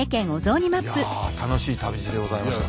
いや楽しい旅路でございました。